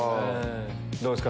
どうですか？